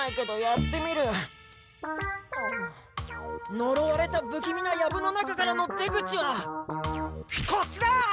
のろわれたぶきみなヤブの中からの出口はこっちだ！